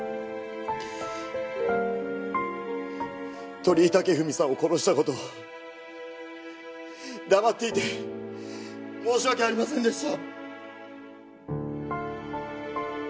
鳥居武文さんを殺した事を黙っていて申し訳ありませんでした。